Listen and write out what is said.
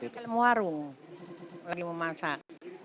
di dalam warung lagi memasak